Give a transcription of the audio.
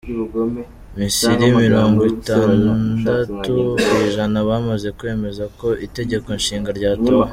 Misiri mirongwitandatu kwijana bamaze kwemeza ko Itegeko Nshinga ryatowe